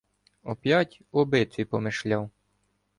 Оп'ять о битві помишляв.